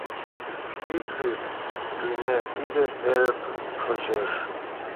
Ит лӱд, тӱня: тиде эрык шочеш!